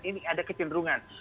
ini ada kecenderungan